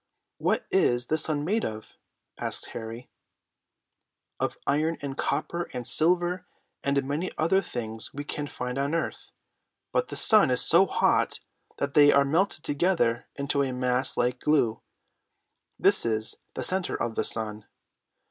"What is the sun made of?" asked Harry. "Of iron and copper and silver, and many other things we can find on earth; but the sun is so hot that they are melted together into a mass like glue. This is the center of the sun.